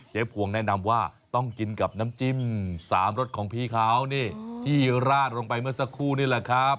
พวงแนะนำว่าต้องกินกับน้ำจิ้ม๓รสของพี่เขานี่ที่ราดลงไปเมื่อสักครู่นี่แหละครับ